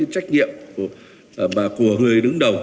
trách nhiệm của người đứng đầu